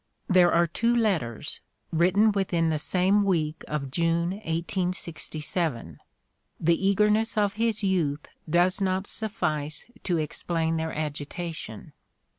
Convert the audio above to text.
There are two letters, written within the same week of June, 1867 ; the eager ness of his youth, does not suffice to explain their agita tion.